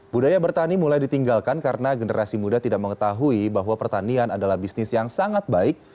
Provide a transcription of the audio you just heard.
budaya bertani mulai ditinggalkan karena generasi muda tidak mengetahui bahwa pertanian adalah bisnis yang sangat baik